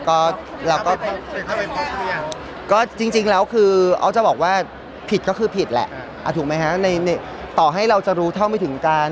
แต่จริงแล้วอ๊อฟจะบอกว่าผิดก็คือผิดแหละถูกไหมนะต่อให้เราจะรู้ที่เท่าไม่ถึงกัน